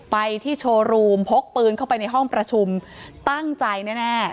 ไปที่โชว์รูมพกปืนเข้าไปในห้องประชุมตั้งใจแน่